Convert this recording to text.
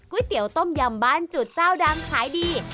เตี๋ยวต้มยำบ้านจุดเจ้าดังขายดี